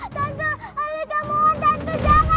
tante ayo kemauan tante jangan tante